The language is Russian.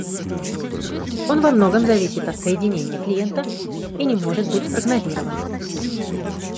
Он во многом зависит от соединения клиента и не может быть спрогнозирован